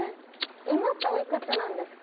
今っておいくつなんですか？